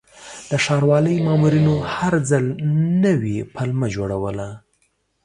د ښاروالۍ مامورینو هر ځل نوې پلمه جوړوله.